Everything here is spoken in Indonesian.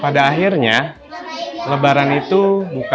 pada akhirnya lebaran itu bukan soal seberapa besar materi yang diberikan